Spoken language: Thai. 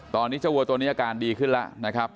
ตอนนี้เจ้าวัวตัวนี้อาการดีขึ้นแล้วนะครับ